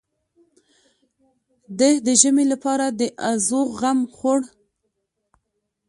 ده د ژمي لپاره د ازوغ غم خوړ.